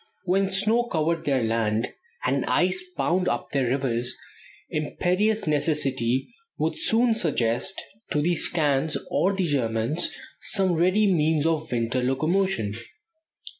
When snow covered their land, and ice bound up their rivers imperious necessity would soon suggest to the Scands or the Germans some ready means of winter locomotion.